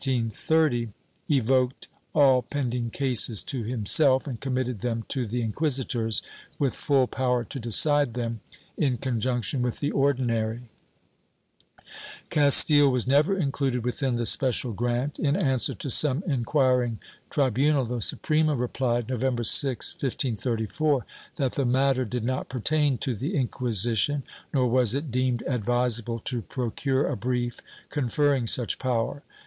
364 MISCELLANEOUS BUSINESS [Book VIII evoked all pending cases to himself and committed them to the inquisitors, with full power to decide them, in conjunction with the Ordinary/ Castile was never included within the special grant. In answer to some inquiring tribunal, the Suprema replied, November 6, 1534, that the matter did not pertain to the Inquisition, nor was it deemed advisable to procure a brief conferring such power.